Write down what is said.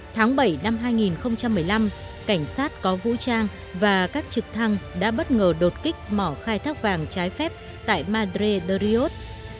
tháng bảy năm hai nghìn một mươi năm cảnh sát có vũ trang và các trực thăng đã bất ngờ đột kích mỏ khai thác vàng trái phép tại madre deiot